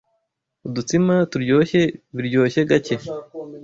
Udutsima turyoshye biryoshye gake